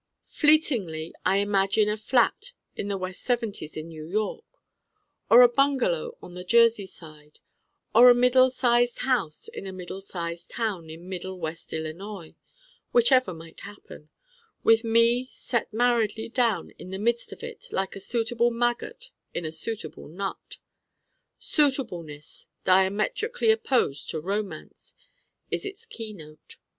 Fleetingly I imagine a flat in the West Seventies in New York, or a bungalow on the Jersey side, or a middle sized house in a middle sized town in Middle West Illinois whichever might happen with me set marriedly down in the midst of it like a suitable maggot in a suitable nut. Suitableness, diametrically opposed to Romance, is its keynote.